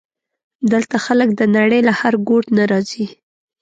دلته خلک د نړۍ له هر ګوټ نه راځي.